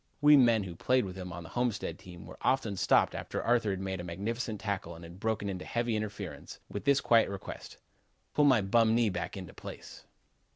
We men who played with him on the Homestead team were often stopped after Arthur had made a magnificent tackle and had broken up heavy interference, with this quiet request: "'Pull my bum knee back into place.'